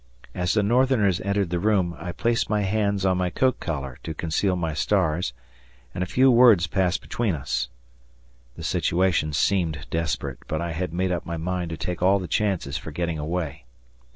As the Northerners entered the room, I placed my hands on my coat collar to conceal my stars, and a few words passed between us. The situation seemed desperate, but I had made up my mind to take all the chances for getting away.